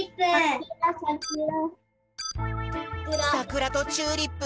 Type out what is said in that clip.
さくらとチューリップ。